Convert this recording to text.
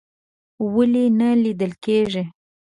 ولې نه لیدل کیږي؟